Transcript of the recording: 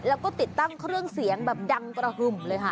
แล้วก็ติดตั้งเครื่องเสียงแบบดังกระหึ่มเลยค่ะ